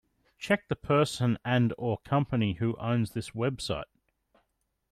Check the person and/or company who owns this website.